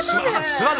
座る！